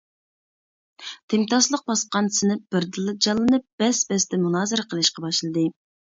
تىمتاسلىق باسقان سىنىپ بىردىنلا جانلىنىپ، بەس-بەستە مۇنازىرە قىلىشقا باشلىدى.